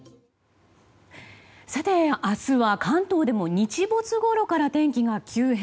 明日は関東でも日没ごろから天気が急変。